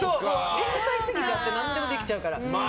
天才すぎちゃって何でもできちゃうから。